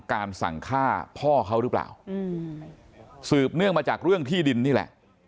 การสั่งฆ่าพ่อเขาหรือเปล่าสืบเนื่องมาจากเรื่องที่ดินนี่แหละ